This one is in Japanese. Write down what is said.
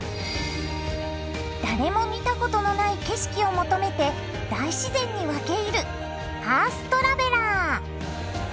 誰も見たことのない景色を求めて大自然に分け入る「地球トラベラー」。